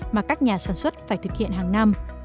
mà các nhà sản xuất phải thực hiện hàng năm